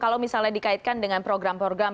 kalau misalnya dikaitkan dengan program program